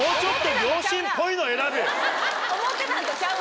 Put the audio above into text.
思ってたんとちゃう